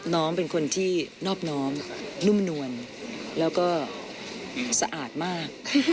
น้องเป็นคนที่นอบน้อมนุ่มนวลแล้วก็สะอาดมาก